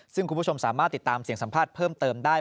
ซึ่งคุณผู้ชมสามารถติดตามเสียงสัมภาษณ์เพิ่มเติมได้